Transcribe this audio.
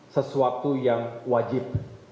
sesuatu yang wajib